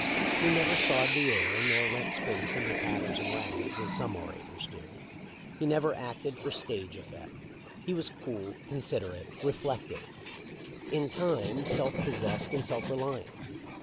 He never sawed the air nor rent space into tatters and rags as some orators do. He never acted for stage effect. He was cool, considerate, reflective — in time self pos sessed and self reliant.